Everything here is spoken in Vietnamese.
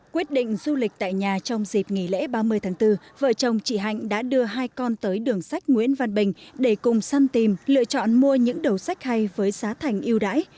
quyết định du lịch tại nhà trong dịp nghỉ lễ ba mươi tháng bốn vợ chồng chị hạnh đã đưa hai con tới đường sách nguyễn văn bình để cùng săn tìm lựa chọn mua những đầu sách hay với giá thành yêu đáy